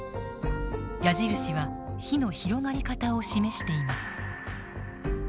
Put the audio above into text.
矢印は火の広がり方を示しています。